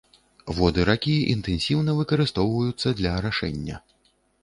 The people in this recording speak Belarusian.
Воды ракі інтэнсіўна выкарыстоўваюцца для арашэння.